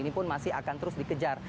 yang dua pun masih akan terus dikejar